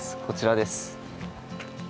こちらです。